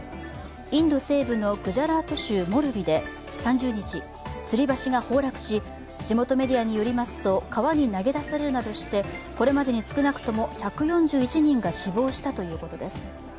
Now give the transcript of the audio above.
インド西部のグジャラート州モルビで３０日、つり橋が崩落し地元メディアによりますと川に投げ出されるなどしてこれまでに少なくとも１４１人が死亡したということです。